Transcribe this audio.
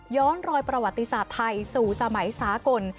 รอยประวัติศาสตร์ไทยสู่สมัยสากล